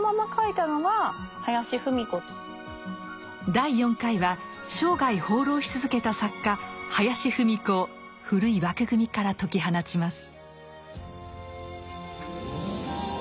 第４回は生涯放浪し続けた作家林芙美子を古い枠組みから解き放ちます。